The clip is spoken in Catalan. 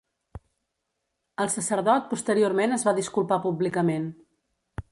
El sacerdot posteriorment es va disculpar públicament.